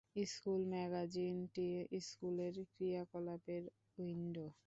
School ম্যাগাজিনটি স্কুলের ক্রিয়াকলাপের উইন্ডো।